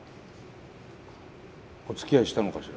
おつきあいしたのかしら？